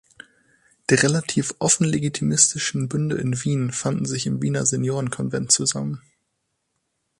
Die relativ offen legitimistischen Bünde in Wien fanden sich im Wiener Senioren-Convent zusammen.